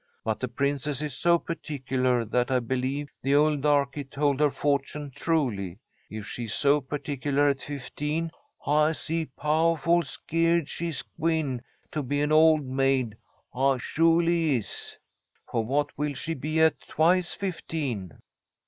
But the Princess is so particular that I believe the old darky told her fortune truly. If she's so particular at fifteen, 'I'se powahful skeered she's gwine to be an old maid. I sholy is.' For what will she be at twice fifteen?"